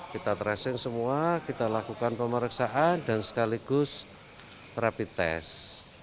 kita tracing semua kita lakukan pemeriksaan dan sekaligus rapid test